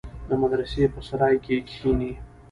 د مدرسې په سراى کښې کښېني.